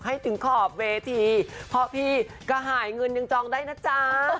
ให้ถึงขอบเวทีเพราะพี่ก็หายเงินยังจองได้นะจ๊ะ